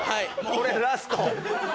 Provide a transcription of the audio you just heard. これラスト？